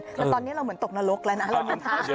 แต่ตอนนี้เราเหมือนตกนรกแล้วนะ